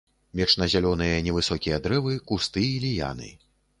Вечназялёныя невысокія дрэвы, кусты і ліяны.